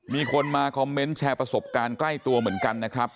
มีคนมาคอมเมนต์แชร์ประสบการณ์ใกล้ตัวเหมือนกันนะครับ